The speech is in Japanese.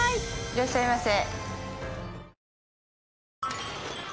いらっしゃいませ。